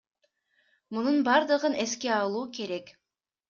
Мунун бардыгын эске алуу керек.